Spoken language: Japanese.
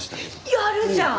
やるじゃん！